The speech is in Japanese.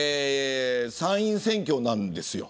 参院選挙なんですよ。